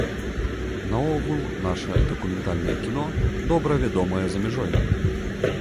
Наогул, наша дакументальнае кіно добра вядомае за мяжой.